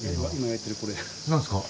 何ですか？